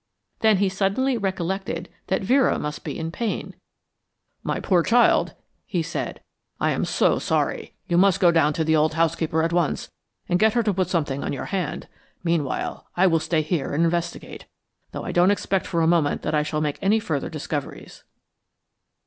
Then he suddenly recollected that Vera must be in pain. "My poor child," he said. "I am so sorry. You must go down to the old housekeeper at once and get her to put something on your hand. Meanwhile, I will stay here and investigate, though I don't expect for a moment that I shall make any further discoveries."